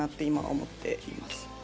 今は思っています。